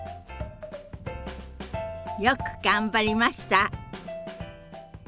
よく頑張りました。